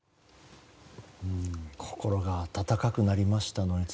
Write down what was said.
心が温かくなりました。